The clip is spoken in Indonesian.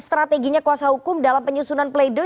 strateginya kuasa hukum dalam penyusunan play doh